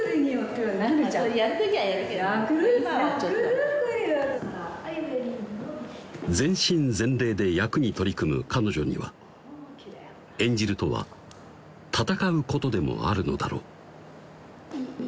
今はちょっと全身全霊で役に取り組む彼女には演じるとは闘うことでもあるのだろういい